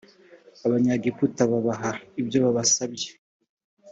abanyegiputa babaha ibyo babasabye